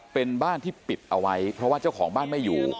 เป็นบ้านที่ปิดเอาไว้เพราะว่าเจ้าของบ้านไม่อยู่